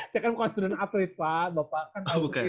saya kan student athlete pak bapak kan tahu sendiri